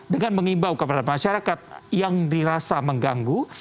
dengan mengimbau kepada masyarakat yang dirasa mengganggu